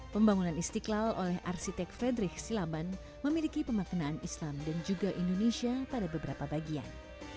pembangunan istiqlal oleh arsitek fredrich silaban memiliki pemaknaan islam dan juga indonesia pada beberapa bagian